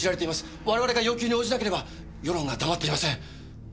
我々が要求に応じなければ世論が黙っていません。